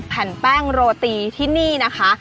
แผ่นแป้งโรตีที่นี่นะคะ